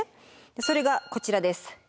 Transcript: それがこちらです。